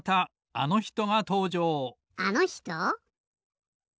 あのひと？